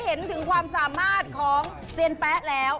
เห็นถึงความสามารถของเซียนแป๊ะแล้ว